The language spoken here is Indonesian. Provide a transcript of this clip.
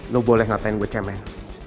lo boleh ngatain gue cemen